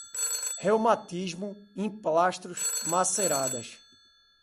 reumatismo, emplastros, maceradas